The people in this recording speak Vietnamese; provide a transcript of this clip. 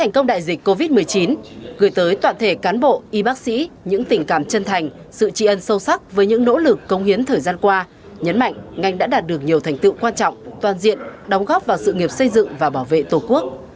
kể tới toàn thể cán bộ y bác sĩ những tình cảm chân thành sự trị ân sâu sắc với những nỗ lực công hiến thời gian qua nhấn mạnh ngành đã đạt được nhiều thành tựu quan trọng toàn diện đóng góp vào sự nghiệp xây dựng và bảo vệ tổ quốc